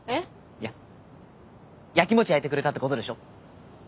いややきもち焼いてくれたってことでしょ？